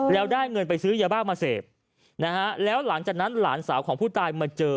แล้วได้เงินไปซื้อยาบ้ามาเสพนะฮะแล้วหลังจากนั้นหลานสาวของผู้ตายมาเจอ